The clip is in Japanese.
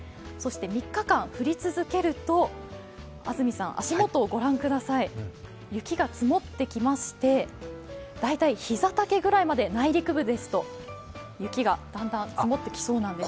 ３日間降り続けると安住さん、足元を御覧ください、雪が積もってきまして大体膝丈ぐらいに、内陸部ですと雪がだんだん積もってきそうです。